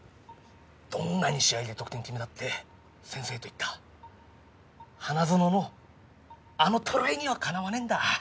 どんなに試合で得点決めたって先生と行った花園のあのトライにはかなわねえんだ。